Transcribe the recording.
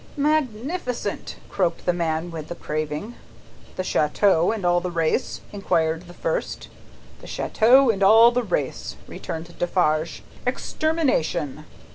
"Magnificent!" croaked the man with the craving. "The chateau, and all the race?" inquired the first. "The chateau and all the race," returned Defarge. "Extermination."